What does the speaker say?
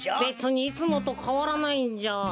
べつにいつもとかわらないんじゃ。